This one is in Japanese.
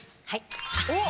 おっ！